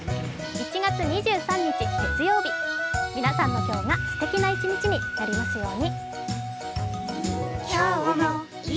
１月２３日、月曜日皆さんの今日がすてきな一日になりますように。